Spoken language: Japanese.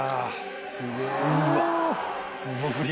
うわ。